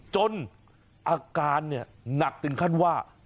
จนอาการหนักถึงขั้นว่า